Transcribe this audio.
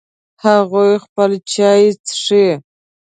هغوی خپل چای څښي